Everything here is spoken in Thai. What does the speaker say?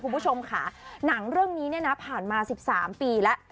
คุณผู้ชมค่ะหนังเรื่องนี้เนี่ยนะผ่านมา๑๓ปีแล้ว